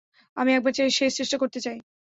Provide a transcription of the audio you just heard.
আমি একবার শেষ চেষ্টা করতে চাই।